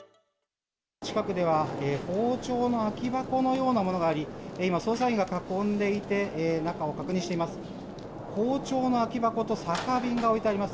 近くでは、包丁の空き箱のようなものがあり、今、捜査員が囲んでいて、中を確認しています。